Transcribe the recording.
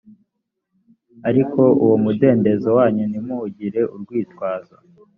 ariko uwo mudendezo wanyu ntimuwugire urwitwazo